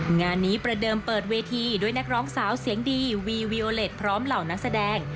งานนี้ประเดิมเปิดเวทีด้วยนักร้องสาวเสียงดีวีวีโอเล็ตพร้อมเหล่านักแสดง